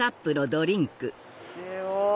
すごい！